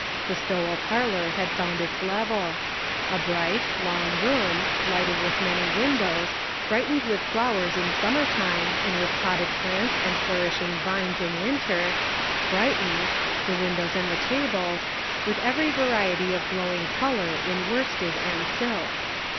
The S to well parlor had found its level. A long, bright room, lighted with many windows, brightened with flowers in summer The Ends Meet. 823 time, and with potted plants and flourishing vines in winter ; brightened — the windows and the tables — with every variety of glowing color in worsted and silk.